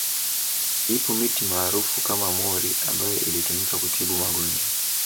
Ipo miti maarufu kama mwori ambayo ilitumika kutibu magonjwa